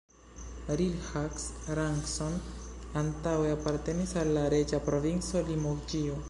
Rilhac-Rancon antaŭe apartenis al la reĝa provinco Limoĝio.